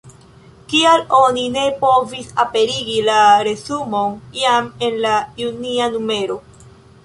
Kial oni ne povis aperigi la resumon jam en la junia numero?